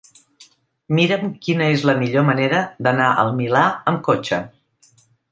Mira'm quina és la millor manera d'anar al Milà amb cotxe.